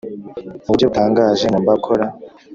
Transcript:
mu buryo butangaje ngomba gukora